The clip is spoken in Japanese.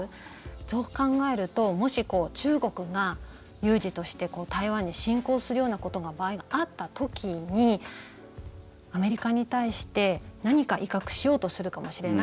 そう考えるともし中国が有事として台湾に進攻するような場合があった時にアメリカに対して何か威嚇しようとするかもしれない。